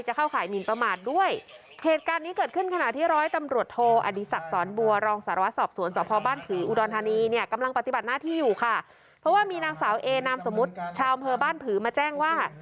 เข้าข่ายหมินประมาทด้วยเหตุการณ์นี้เกิดขึ้นขณะที่ร้อยตำรวจโทอดีศักดิ์สอนบัวรองสารวัสสอบสวนสพบ้านผืออุดรธานีเนี่ยกำลังปฏิบัติหน้าที่อยู่ค่ะเพราะว่ามีนางสาวเอนามสมมุติชาวอำเภอบ้านผือมาแจ้งว่า